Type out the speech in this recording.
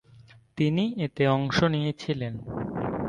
তিনি এতে অংশ নিয়েছিলেন।